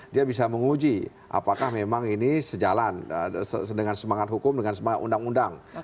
dia bisa menguji apakah memang ini sejalan dengan semangat hukum dengan semangat undang undang